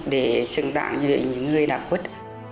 để chứng đoạn những người đạp quất